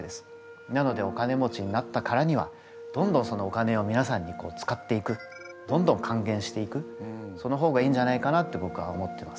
なのでお金持ちになったからにはどんどんそのお金をみなさんに使っていくどんどん還元していくその方がいいんじゃないかなって僕は思ってます。